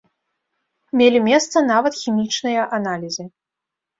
Мелі месца нават хімічныя аналізы.